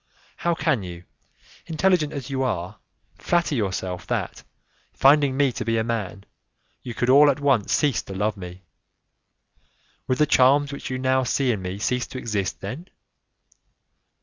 How can you, intelligent as you are, flatter yourself that, finding me to be a man, you could all at once cease to love me? Would the charms which you now see in me cease to exist then?